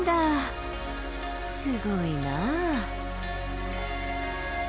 すごいなあ。